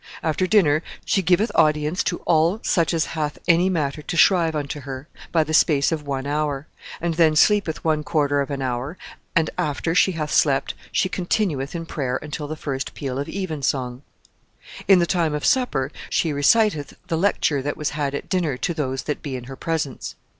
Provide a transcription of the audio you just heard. After dynner she giveth audyence to all such as hath any matter to shrive unto her, by the space of one hower, and then sleepeth one quarter of an hower, and after she hath slept she contynueth in prayer until the first peale of even songe. "In the tyme of supper she reciteth the lecture that was had at dynner to those that be in her presence.